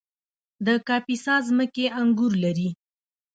د کاپیسا ځمکې انګور لري